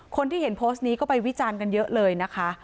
คนที่เห็นโพสต์นี้ก็ไปวิจารณ์กันเยอะเลยนะคะ